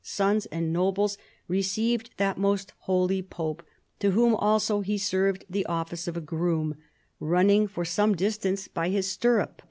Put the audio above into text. sons, and nobles, received that most holy pope, to whom also he served the office of a groom, running for some distance by his stirrup.